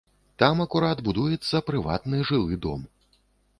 Там акурат будуецца прыватны жылы дом.